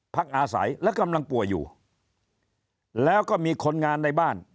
พักอาศัยและกำลังป่วยอยู่แล้วก็มีคนงานในบ้าน